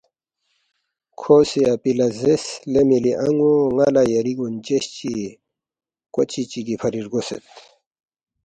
کھو سی اپی لہ زیرس، ”لے مِلی ان٘و ن٘ا لہ یری گونچس چی کوتچی چِگی فری رگوسید